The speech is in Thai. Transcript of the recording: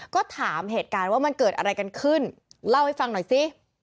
ก็ถามเหตุการณ์ว่ามันเกิดอะไรกันขึ้นเล่าให้ฟังหน่อยสิ